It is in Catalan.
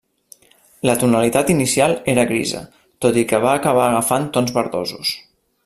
La tonalitat inicial era grisa tot i que va acabar agafant tons verdosos.